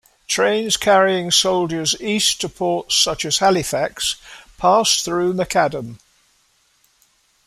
Trains carrying soldiers east to ports such as Halifax passed through McAdam.